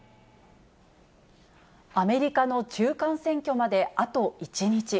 アメリカの中間選挙まであと１日。